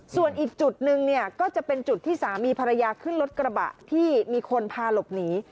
ส่วนอีกจุดนึงเนี่ยก็จะเป็นจุดที่สามีภรรยาขึ้นรถกระบะที่มีคนพาหลบหนี